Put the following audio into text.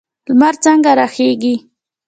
لمر څنګه راخیږي؟